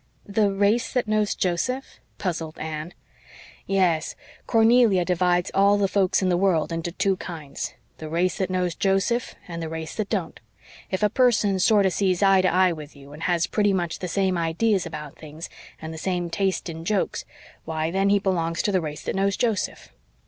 "The race that knows Joseph?" puzzled Anne. "Yes. Cornelia divides all the folks in the world into two kinds the race that knows Joseph and the race that don't. If a person sorter sees eye to eye with you, and has pretty much the same ideas about things, and the same taste in jokes why, then he belongs to the race that knows Joseph."